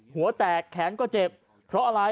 หัวแตกแขนก็เจ็บเพราะอะไร